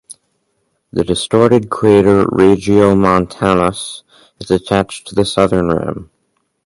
The distorted crater Regiomontanus is attached to the southern rim.